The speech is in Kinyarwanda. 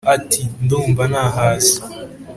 ati: “ndumva nahaze